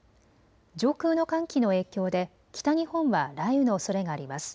上空の寒気の影響で北日本は雷雨のおそれがあります。